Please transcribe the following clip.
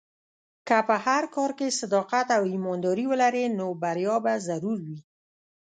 که په هر کار کې صداقت او ایمانداري ولرې، نو بریا به ضرور وي.